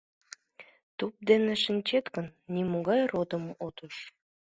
Туп дене шинчет гын, нимогай «родым» от уж.